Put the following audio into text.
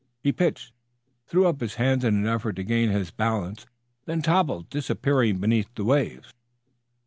He pitched, threw up his hands in an effort to regain his balance, then toppled, disappearing beneath the waves.